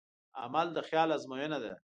عمل د خیال ازموینه ده.